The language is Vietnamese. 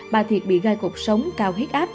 bà thiệt bị gai cuộc sống cao huyết áp